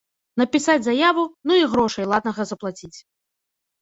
Напісаць заяву, ну й грошай ладнага заплаціць.